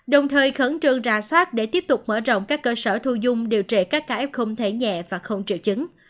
đồng thời khẩn trương ra soát để tiếp tục mở rộng các cơ sở thu dung điều trị các ca f không thể nhẹ và không triệu chứng